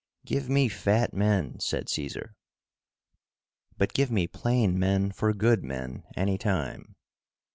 "Give me fat men," said Caesar. But give me plain men for good men, any time.